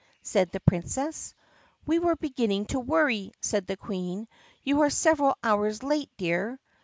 said the Princess. "We were beginning to worry," said the Queen. "You are several hours late, dear."